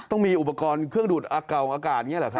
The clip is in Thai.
ต้องมีอุปกรณ์เครื่องดูดเก่าอากาศอย่างนี้เหรอครับ